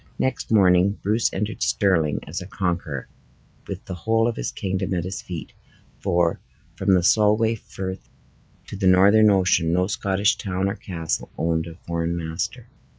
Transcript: Next morning Bruce entered Stirling as a conqueror, with the whole of his kingdom at his feet; for, from the Solway Frith to the Northern Ocean, no Scottish town or castle owned a foreign master.